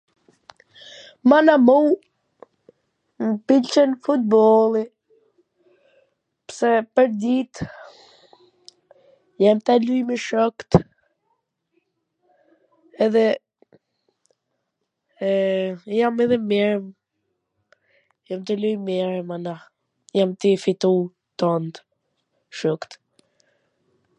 mana, mu m pwlqen futbolli, pse pwrdit jam tu luj me shokt edhe jam edhe mir, jam tu luj mir, mana, jam tuj i fitu tan shokt